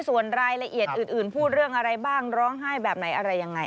ส่วนรายละเอียดอื่นพูดเรื่องอะไรบ้างร้องไห้แบบไหนอะไรยังไง